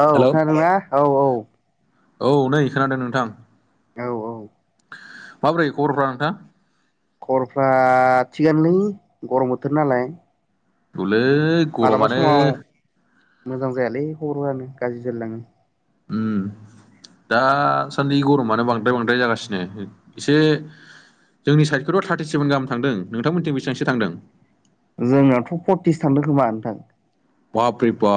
औ हेलौ खोनादों ना औ औ। औ नै खोनादों नोंथां। औ औ। माबोरै खबरफ्रा नोंथां। खबरफ्रा थिगानोलै गरम बोथोर नालाय। लै मालाबा गरमानो। समाव मोजां जायालै खबरफोरानो गाज्रि जायलाङो। उम। दासान्दि गरमानो बांद्राय बांद्राय जागासिनो एसे जोंनि साइडखौथ' थार्टि सेभेन गाहाम थांदों नोंथांमोनथिं बेसेबांसो थांदों। जोंनाथ' फर्टिसो थांदों खोमा नोंथां बाबरे बा।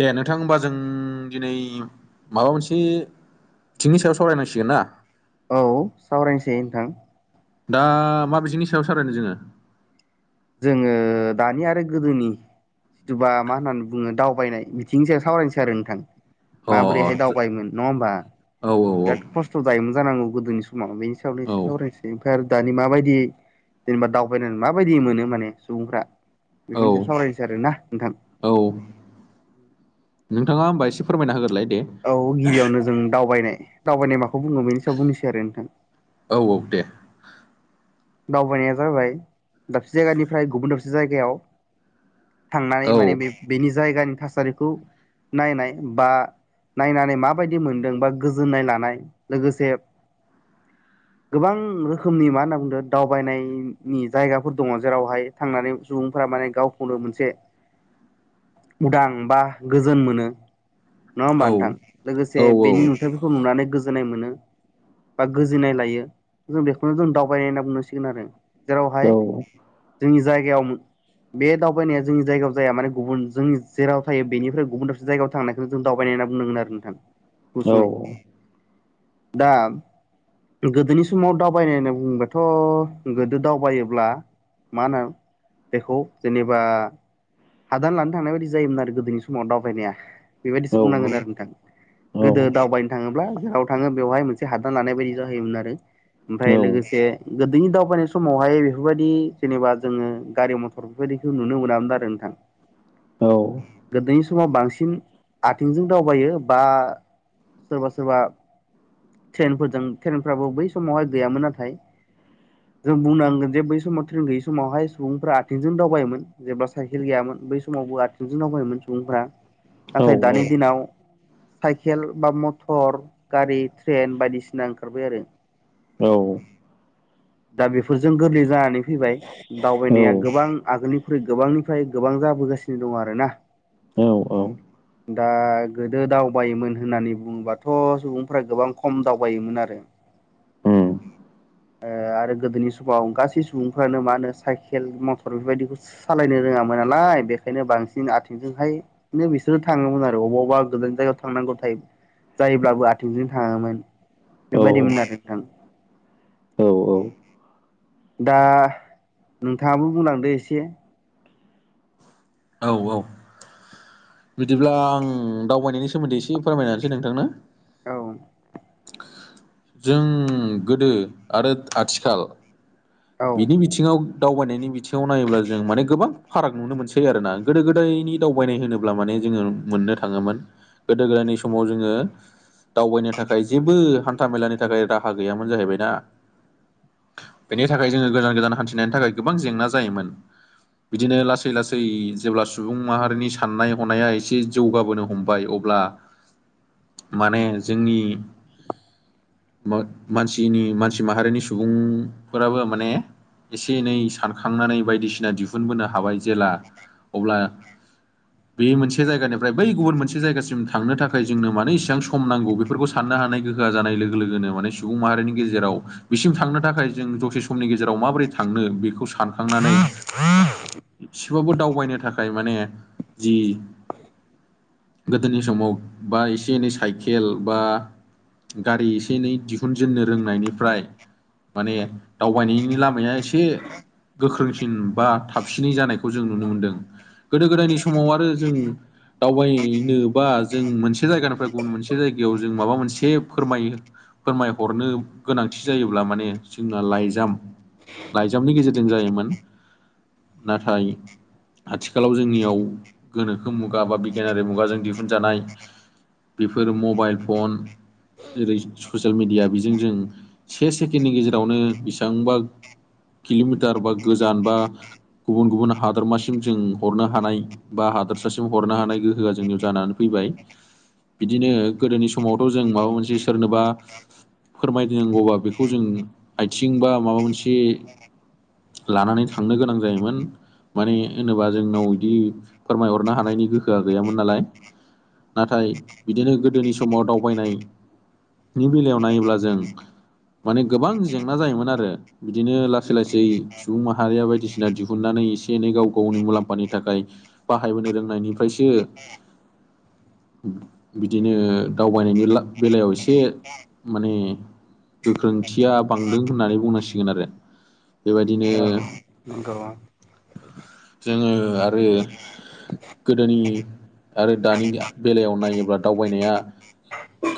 दे नोंथां होनबा जों दिनै माबा मोनसे बिथिंनि सायाव सावरायनांसिगोन ना। औ सावरायनोसै नोंथां। दा मा बिथिंनि सायाव सारायनो जोङो जोङो दानि आरो गोदोनि जिथुबा मा होननानै बुङो दावबायनाय बिथिंनि सायाव सावरायनोसै आरो नोंथां। अ माबोरैहाय दावबायोमोन नङा होमबा अ औ बिराद खस्थ' जायोमोन जानांगौ गोदोनि सम। आव बेनि सायावनो औ एसे सावरायनोसै ओमफ्राय आरो दानि माबायदि जेनेबा दावबायनानै माबायदि मोनो। माने सुबुंफ्रा बेफोरनि सायाव औ सावरायनोसै आरोना नोंथां। औ नोंथाङा होमबा एसे फोरमायना होग्रोलाय। दे औ गिबियावनो जों दावबायनाय दावबायनाय माखौ बुङो बेनि सायाव बुंनोसै आरो नोंथां। औ औ दे। दावबायनाया जाबाय दाबसे जायगानिफ्राय गुबुन दाबसे जायगायाव थांनानै औ माने बे बेनि जायगानि थासारिखौ नायनाय बा। नायनानै माबायदि मोनदों बा गोजोननाय लानाय लोगोसे गोबां रोखोमनि मा होनना बुंदों दावबायनायनि जायगाफोर दङ जेरावहाय थांनानै सुबुंफोरा माने गावखौनो मोनसे [inaudible] उदां बा गोजोन मोनो नङा होमबा औ नोंथां औ लोगोसे बेनि औ नुथाइफोरखौ नुनानै गोजोननाय मोनो बा गोजोननाय लायो जों बेखौनो जों दावबायनाय होनना बुंनसिगोन आरो जेरावहाय जोंनि जायगायाव बे दावबायनाया जोंनि जायगायाव जाया माने गुबुन जोंनि जेराव थायो बेनिफ्राय गुबुन दाबसे जायगायाव थांनायखौनो जों दावबायनाय होनना बुंनांगोन आरो नोंथां औ गुसुङै दा गोदोनि समाव दावबायनाय होनना बुङोबाथ' गोदो दावबायोब्ला मा होनो बेखौ जेनेबा हादान लानो थांनाय बायदि जायोमोन आरो गोदोनि समाव दावबायनाया बेबायदिसो बुंनांगोन आरो नोंथां गोदो दावबायनो थाङोब्ला जेराव थाङो बेवहाय मोनसे हादान लानाय बायदि जाहैयोमोन आरो ओमफ्राय लोगोसे गोदोनि दावबायनाय समावहाय बेफोरबायदि जेनेबा जोङो गारि मथर बेफोरबायदिखौ नुनो मोनामोन आरो नोंथां औ गोदोनि समाव बांसिन आथिंजों दावबायो बा सोरबा सोरबा ट्रेनफोरजों ट्रेनफ्राबो बै समावहाय गैयामोन नाथाय जों बुंनांगोन जे बै समाव ट्रेन गैयै समावहाय सुबुंफ्रा आथिंजों दावबायोमोन जेब्ला साइकेल गैयामोन बै समावबो आथिंजों दावबायोमोन सुबुंफ्रा नाथाय दानि दिनाव साइकेल बा मथर गारि ट्रेन बायदिसिना ओंखारबाय आरो औ दा बेफोरजों गोरलै जानानै फैबाय दावबायनाया गोबां आगोलनिख्रुइ गोबांनिफ्राय गोबां जाबोगासिनो दं आरोना औ औ दा गोदो दावबायोमोन होननानै बुङोबाथ' सुबुंफ्रा गोबां खम दावबायोमोन आरो औ आरो गोदोनि समाव गासै सुबुंफ्रानो मा होनो साइकेल मटर बेफोरबायदिखौ सालायनो रों नालाय बेनिखायनो बांसिन आथिंजोंहाय बिसोरो थाङोमोन आरोबा गोजान जायगा थांनांगौ थायो जायोब्लाबो आथिंजों थाङोमोन बेबायदिमोन आरो नोंथां औ औ दा नोंथाङाबो बुंलांदो एसे औ औ बिदिब्ला आं दावबायनायनि सोमोन्दै एसे फोरमायसै नोंथांनो औ जों गोदो आरो आथिखाल औ बिनि बिथिङाव दावबायनायनि बिथिङाव नायोब्ला जों माने गोबां फाराग नुनो मोनसै आरोना गोदो गोदायनि दावबायनाय होनोब्ला माने जोङो मोननो थाङोमोन गोदो गोदायनि समाव जोङो दावबायनो थाखाय जेबो हान्था मेलानि थाखाय राहा गैयामोन जाहैबायना बेनि थाखाय जोङो गोदान गोदान हान्थिनायनि थाखाय गोबां जेंना जायोमोन बिदिनो लासै लासै जेब्ला सुबुं माहारिनि साननाय हनाया एसे जौगाबोनो हमबाय अब्ला माने जोंनि मानसिनि मानसि माहारिनि सुबुं फोराबो माने एसे एनै सानखांनानै बायदिसिना दिहुनबोनो हाबाय जेला अब्ला बे मोनसे जायगानिफ्राय बै गुबुन मोनसे जायगासिम थांनो थाखाय जोंनो मानो इसेबां सम नांगौ बेफोरखौ सान नो हानाय लोगो लोगोनो माने सुबुं माहारिनि गेजेराव बिसिम थांनो थाखाय जों दसे समनि गेजेराव माबोरै थांनो बेखौ सानखांनानै एसेबाबो दावबायनो थाखाय माने जि गोदोनि समाव बा एसे एनै साइकेल बा गारि एसे एनै दिहुनजेननो रोंनायनिफ्राय माने दावबायनायनि लामाया एसे गोख्रोंसिन बा थाबसिनै जानायखौ जों नुनो मोनदों। गोदो गोदायनि समाव आरो जों दावबायनोबा जों मोनसे जायगानिफ्राय गुबुन मोनसे जायगायाव जों माबा मोनसे फोरमायो फोरमायहरनो गोनांथि जायोब्ला माने जोंना लाइजाम लाइजामनि गेजेरजों जायोमोन। नाथाय आथिखालाव जोंनियाव गोनोखो मुगा बा बिगियानारि मुगाजों दिहुनजानाय बेफोर मबाइल फन जेरै ससियेल मिडिया बेजों जों से सेकेडनि गेजेरावनो बेसेबांबा किल'मिटार बा गोजान बा गुबुन गुबुन हादोरमासिम जों हरनो हानाय बा हादोरसासिम हरनो हानाय गोहोआ जोंनियाव जानानै फैबाय। बाय बिदिनो गोदोनि समावथ' जों माबा मोनसे सोरनोबा फोरमायनांगौबा बेखौ जों आथिं बा माबा मोनसे लानानै थांनो गोनां जायोमोन। माने होनोबा जोंनाव बिदि फोरमायहरनो हानायनि गोहोआ गैयामोन नालाय। नाथाय बिदिनो गोदोनि समाव दावबायनाय नि बेलायाव नायोब्ला जों माने गोबां जेंना जायोमोन आरो। बिदिनो लासै लासै सुबुं माहारिया बायदिसिना दिहुननानै एसे एनै गाव गाव मुलाम्फानि थाखाय बाहायबोनो रोंनायनिफ्रायसो [inaudible] बिदिनो दावबायनायनि ला-बेलायाव एसे माने गोख्रोंथिया बांदों होननानै बुंनांसिगोन आरो। बेबायदिनो औ नंगौ। जोङो आरो गोदोनि आरो दानि बेलायाव नायोब्ला दावबायनाया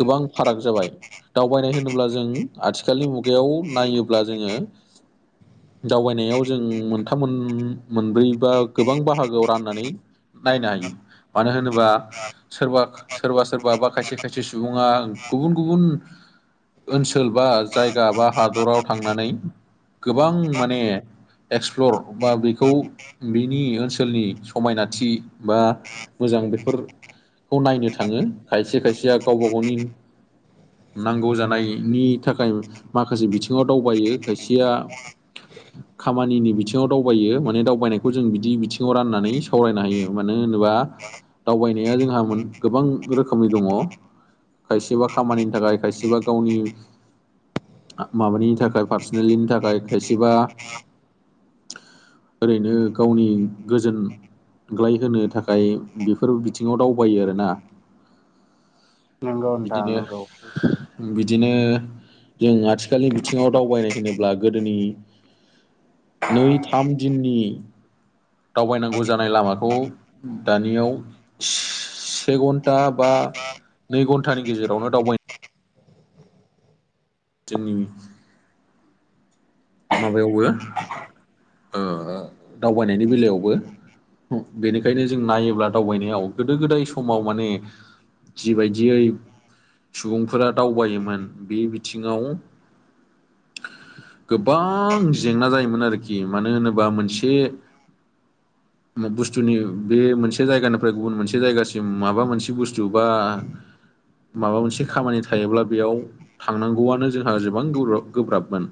गोबां फाराग जाबाय। दावबायनाय होनोब्ला जों आथिखालनि मु गायाव नायोब्ला जोङो दावबायनायाव जों मोनथाम मोन मोनब्रै बा गोबां बाहागोआव राननानै नायनो हायो। मानो होनोबा सोरबा सोरबा सोरबा बा खायसे खायसे सुबुङा गुबुन गुबुन ओनसोल बा जायगा बा हादराव थांनानै गोबां माने एक्सप्लर बा बेखौ बिनि ओनसोलनि समायनाथि बा मोजां बेफोरखौ नायनो थाङो खायसे खायसेया गावबा गावनि नांगौ जानायनि थाखाय माखासे बिथिङाव दावबायो खायसेया खामानिनि बिथिङाव दावबायो माने दावबायनायखौ जों बिदि बिथिङाव राननानै सावरायनो हायो। माने मानो होनोबा दावबायनाया जोंहा गोबां रोखोमनि दङ खायसेबा खामानिनि थाखाय खायसेबा गावनि माबानि थाखाय पार्सनेलिनि थाखाय खायसेबा ओरैनो गावनि गोजोन ग्लाय होनो थाखाय बेफोर बिथिङाव दावबायो आरोना। नंगौ नोंथां बिदिनो नंगौ बिदिनो जों आथिखालनि बिथिङाव दावबायनाय होनोब्ला गोदोनि नै थाम दिननि दावबायनांगौ जानाय लामाखौ दानियाव से घन्टा बा नै घन्टानि गेजेरावनो दावबायनो जोंनि माबायावबो ओ दावबायनायनि बेलायावबो बेनिखायनो जों नायोब्ला दावबायनायाव गोदो गोदाय समाव माने जिबायदियै सुबुंफोरा दावबायोमोन बे बिथिङाव गोबां जेंना जायोमोन आरोखि मानो होनोबा मोनसे बुस्थुनि बे मोनसे जायगानिफ्राय गुबुन मोनसे जायगासिम माबा मोनसे बुस्थु बा माबा मोनसे खामानि थायोब्ला बेयाव थांनांगौआनो जोंहा गोबां गोब्राब - गोब्राबमोन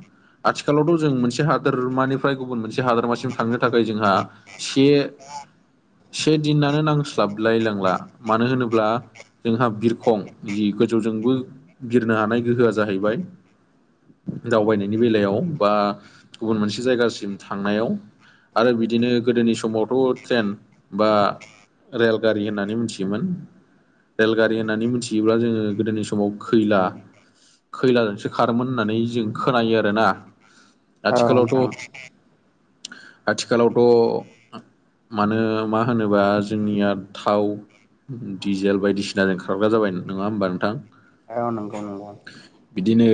आथिखालावथ' जों मोनसे हादोरमानिफ्राय गुबुन मोनसे हादोरमासिम थांनो थाखाय जोंहा से से दिनानो नांस्लाबलायलांला मानो होनोब्ला जोंहा बिरखं जि गोजौजोंबो बिरनो हानाय गोहोआ जाहैबाय दावबायनायनि बेलायाव बा गुबुन मोनसे जायगासिम थांनायाव आरो बिदिनो गोदोनि समावथ' ट्रेन बा रेलगारि होननानै मिथियोमोन रेलगारि होननानै मिथियोब्ला जोङो गोदोनि समाव खैला खैलाजोंसो खारोमोन होननानै जों खोनायो आरोना औ आथिखालावथ' आथिखालावथ' मानो मा होनोबा जोंनिया थाव डिजेल बायदिसिनाजों खारग्रा जाबाय नङा होमबा नोंथां औ नंगौ नंगौ बिदिनो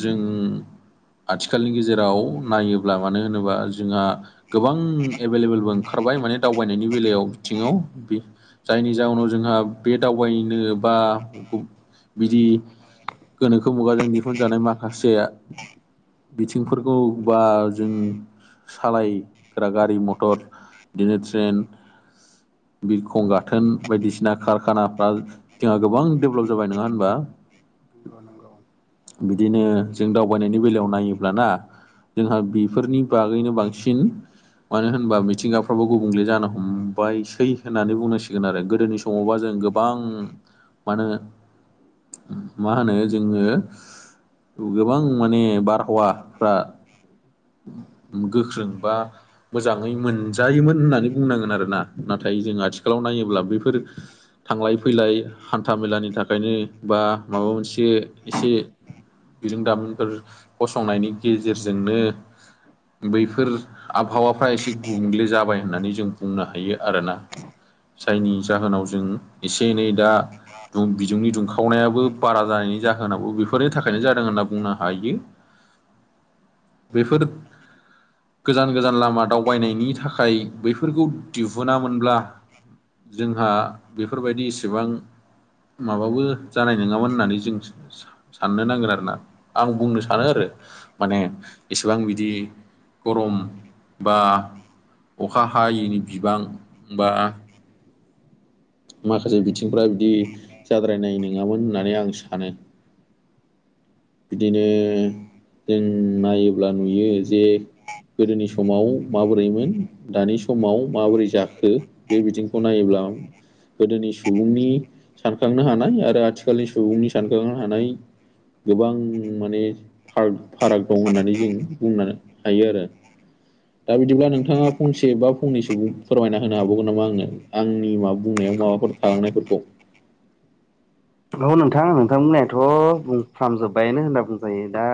जों आथिखालनि गेजेराव नायोब्ला मानो होनोबा जोंहा गोबां एभेलेबेलबो ओंखार नुबाय माने दावबायनायनि बेलायाव बिथिंङाव जायनि जाहोनाव जोंहा बे दावबायनो बा बिदि गोनोखो मुगाजों दिहुनजानाय माखासे बिथिंफोरखौ बा जों सालायग्रा गारि मटर बिदिनो ट्रेन बिरखं गाथोन बायदिसिना कारखानाफ्रा जोंहा गोबां डेभेलप जाबाय नंङा होनबा? नंगौ नंगौ बिदिनो जों दावबायनायनि बेलायाव नायोब्लाना जोंहा बेफोरनि बागैनो बांसिन मानो होनबा मिथिंगाफ्राबो गुबुंले जानो हमबायसै होननानै बुंनांसिगोन आरो गोदोनि समावबा जों गोबां मानो मा होनो जोंङो गोबां माने बारहावाफ्रा गोख्रों बा मोजांङै मोनजायोमोन होननानै बुंनांगोन आरोना नाथाय नाथाय जों आथिखालाव नायोब्ला बेफोर थांलाय फैलाय हान्था मेलानि थाखायनो बा माबा मोनसे एसे बिरुंदामिुंफोर फसंनायनि गेजेरजोंनो बैफोर आबहावाफ्रा एसे गुबुंग्ले जाबाय होननानै जों बुंनो हायो आरोना जायनि जाहोनाव जों एसे एनै दा बिदुंनि दुंखावनायाबो बारा जानायनि जाहोनावौ बेफोरो थाखायनो जादों होनना बुंनो हायो बेफोर गोजान गोजान लामा दावबायनायनि थाखाय बैफोरखौ दिहुनुनामोनब्ला जोंहा बेफोरबायदि इसेबां माबाबो जानाय नंङामोन होननानै जों साननो नांगोन आरो ना आं बुंनो सानो आरो माने एसेबां बिदि गरम बा अखा हायैनि बिबां बा माखासे बिथिंफ्रा बिदि जाद्रायनाय नंङामोन होननानै आं सानो बिदिनो नायोब्ला नुयो जे गोदोनि समाव माबोरैमोन दानि समाव माबोरै जाखो बे बिथिंखौ नायोब्ला औ गोदोनि सुबुंनि सानखांनो हानाय आरो आथिखालनि सुबुंनि सानखांनो हानाय गोबां माने फाराग फाराग दं होननानै जोङो बुंना हायो आरो। दा बिदिब्ला नोंथांङा फंसे बा फंनैसो फोरमायना होनो हाबावगोन नामा आंनो। आंनि मा बुंनायाव माबाफोर थालांनायफोरखौ। औ नोंथां नोंथांमोनाथ' बुंफ्रामजोब्बायनो होनना बुंजायो। दा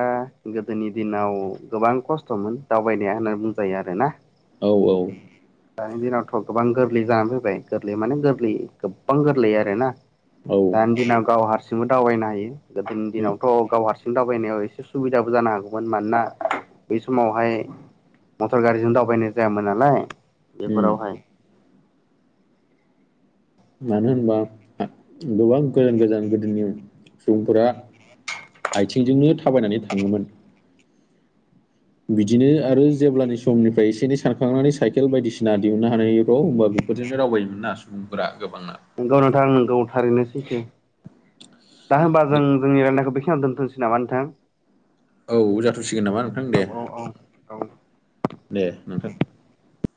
गोदोनि दिनाव अ' गोबां खस्थ'मोन दावबायनाया होनना बुंजायो आरोना। औ औ दानि दिनावथ' गोबां गोरलै जानानै फैबाय गोरलै माने गोरलै गोबां गोरलै आरोना। औ दानि दिनाव गाव हारसिंबो दावबायनो हायो। गोदोनि उम दिनावथ' गाव हारसिं दाव बायनायाव एसे सुबिदाबो जानो हागौमोन। मानोना बै समावहाय मटर गारिजों दावबायनाय जायामोन नालाय उम बेफोरावहाय। मानो होनबा आ गोबां गोजान गोजान गोदोनि सुबुंफोरा आयथिंजोंनो थाबायनानै थांङोमोन। बिदिनो आरो जेब्लानि समनिफ्राय एसे एनै सानखांनानै साइकेल बायदिसिना दिहुननो हानायफ्राव होमबा बेफोरजोंनो दावबायोमोन ना सुबुंफोरा गोबांना। नोंगौ नोंथां नंगौ थारैनो सैथो। दा होमबा जों जोंनि रायलायनायखौ बे खिनियाव दोनथनोसै नामा नोंथां? औ जाथ'सिगोन नामा नोंथां औ दे। औ औ औ दे नोंथां।